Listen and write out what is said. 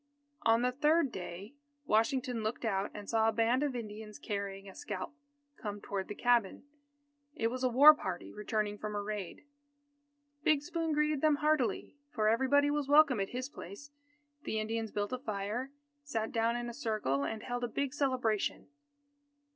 On the third day, Washington looked out and saw a band of Indians carrying a scalp, come toward the cabin. It was a war party returning from a raid. Big Spoon greeted them heartily, for everybody was welcome at his place. The Indians built a fire, sat down in a circle, and held a big celebration.